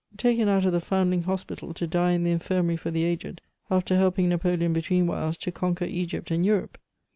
"Taken out of the Foundling Hospital to die in the Infirmary for the Aged, after helping Napoleon between whiles to conquer Egypt and Europe.